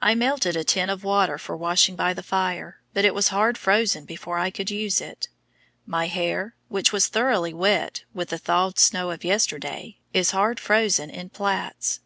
I melted a tin of water for washing by the fire, but it was hard frozen before I could use it. My hair, which was thoroughly wet with the thawed snow of yesterday, is hard frozen in plaits.